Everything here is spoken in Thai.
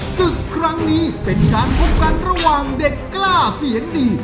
ศึกครั้งนี้เป็นการพบกันระหว่างเด็กกล้าเสียงดี